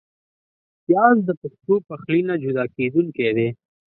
پیاز د پښتو پخلي نه جدا کېدونکی دی